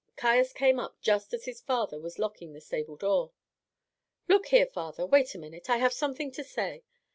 Caius came up just as his father was locking the stable door. "Look here, father; wait a minute. I have something to say.